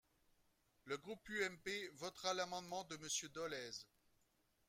Le groupe UMP votera l’amendement de Monsieur Dolez.